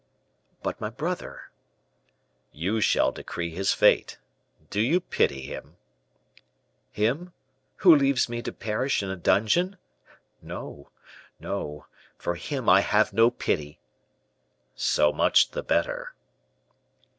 "But my brother?" "You shall decree his fate. Do you pity him?" "Him, who leaves me to perish in a dungeon? No, no. For him I have no pity!" "So much the better."